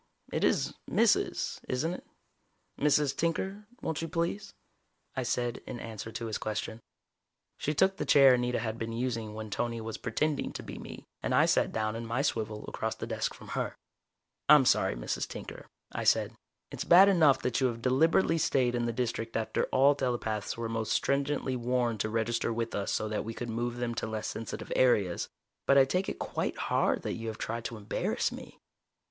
it is Mrs., isn't it? ... Mrs. Tinker, won't you please?" I said in answer to his question. She took the chair Anita had been using when Tony was pretending to be me, and I sat down in my swivel across the desk from her. "I'm sorry, Mrs. Tinker," I said. "It's bad enough that you have deliberately stayed in the District after all telepaths were most stringently warned to register with us so that we could move them to less sensitive areas. But I take it quite hard that you have tried to embarrass me."